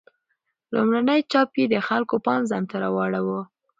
لومړنی چاپ یې د خلکو پام ځانته راواړاوه.